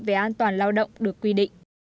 về an toàn lao động được quy định